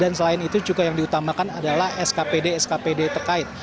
dan selain itu juga yang diutamakan adalah skpd skpd terkait